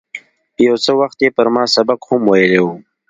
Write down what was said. یو څه وخت یې پر ما سبق هم ویلی و.